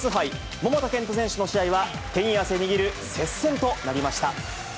桃田賢斗選手の試合は、手に汗握る接戦となりました。